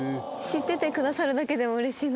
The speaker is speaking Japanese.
知っててくださるだけでもうれしいのに。